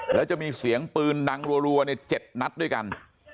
แล้วจะมีเสียงปืนดังรัว๗นัดด้วยกัน